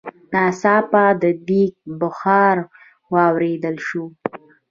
ناڅاپه د ديګ بخار واورېدل شو.